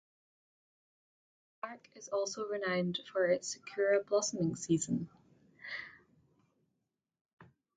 The park is also renowned for its sakura blossoming season.